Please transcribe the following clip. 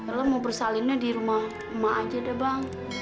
kalau mau bersalinnya di rumah emak aja deh bang